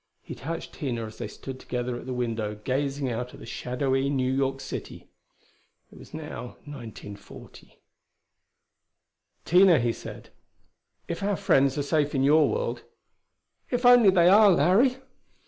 He touched Tina as they stood together at the window gazing out at the shadowy New York City. It was now 1940. "Tina," he said, "if our friends are safe in your world " "If only they are, Larry!"